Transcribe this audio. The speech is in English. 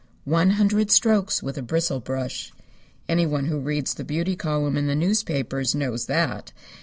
One hundred strokes with a bristle brush. Anyone who reads the beauty column in the newspapers knows that.